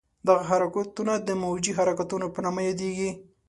دغه حرکتونه د موجي حرکتونو په نامه یادېږي.